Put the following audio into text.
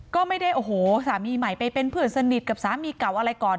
ก็ไม่ได้โอ้โหสามีใหม่ไปเป็นเพื่อนสนิทกับสามีเก่าอะไรก่อน